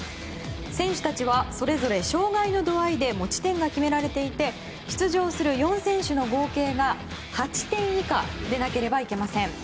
選手たちはそれぞれ障害の度合いで持ち点が決められていて出場する４選手の合計が８点以下でなければいけません。